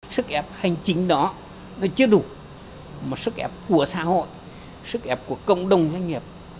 sức ép hành chính đó nó chưa đủ một sức ép của xã hội sức ép của cộng đồng doanh nghiệp